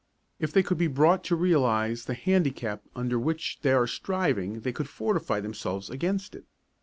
If they could be brought to realize the handicap under which they are striving they could fortify themselves against it.